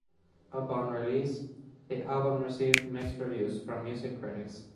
Upon release, the album received mixed reviews from music critics.